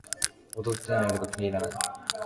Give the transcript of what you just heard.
踊ってない夜が気に入らない